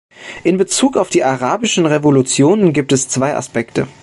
In Bezug auf die arabischen Revolutionen gibt es zwei Aspekte.